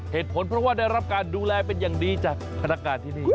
เหตุผลเพราะว่าได้รับการดูแลเป็นอย่างดีจากพนักงานที่นี่